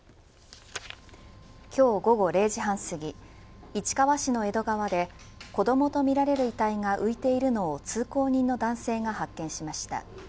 今日午後０時半すぎ市川市の江戸川で子どもとみられる遺体が浮いているのを通行人の男性が発見しました。